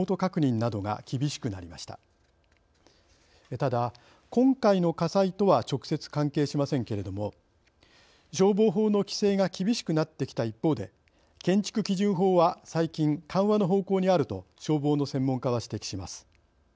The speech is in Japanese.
ただ今回の火災とは直接関係しませんけれども消防法の規制が厳しくなってきた一方で建築基準法は最近緩和の方向にあると消防の専門家は指摘します。